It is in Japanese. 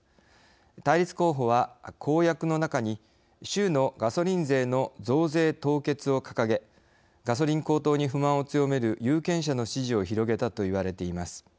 対立候補は、公約の中に州のガソリン税の増税凍結を掲げガソリン高騰に不満を強める有権者の支持を広げたといわれています。